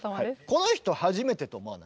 この人初めてと思わない？